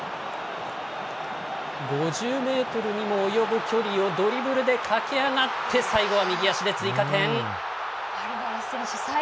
５０メートルにも及ぶ距離をドリブルで駆け上がって最後は右足で追加点。